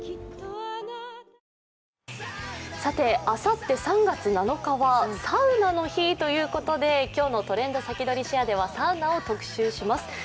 あさって３月７日はサウナの日ということで今日の「トレンドさきどり＃シェア」ではサウナを特集します。